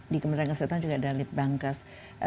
di kementerian kesehatan juga ada lip bangkas